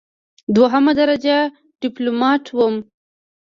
دوهمه درجه ډیپلوماټ وم.